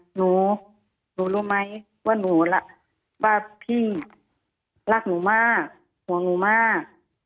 หนูรู้ไหมว่าพี่รักหนูมากห่วงหนูมาก